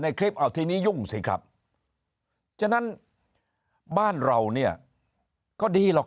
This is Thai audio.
คลิปเอาทีนี้ยุ่งสิครับฉะนั้นบ้านเราเนี่ยก็ดีหรอก